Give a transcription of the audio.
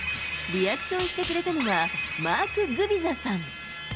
リアクションしてくれたのは、マーク・グビザさん。